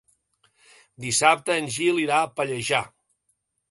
Dissabte en Gil irà a Pallejà.